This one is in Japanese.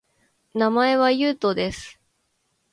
名前は、ゆうとです